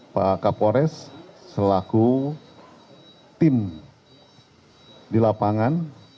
pak kapolres selaku tim di lapangan